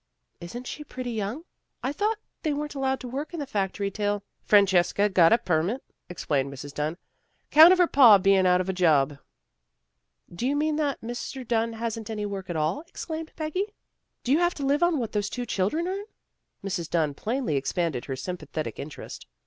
" Isn't she pretty young? I thought they weren't allowed to work in the factory till " Francesca got a permit," explained Mrs. Dunn, " 'count of her pa being out of a job." " Do you mean that Mr. Dunn hasn't any work at all? " exclaimed Peggy. " Do you have 126 THE GIRLS OF FRIENDLY TERRACE to live on what those two children earn? " Mrs. Dunn plainly expanded under the sym pathetic interest.